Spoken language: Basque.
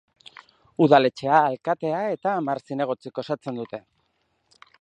Udaletxea alkatea eta hamar zinegotzik osatzen dute.